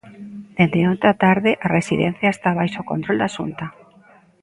Dende onte á tarde a residencia está baixo o control da Xunta.